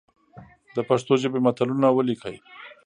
د پښتو ژبي متلونه ولیکئ!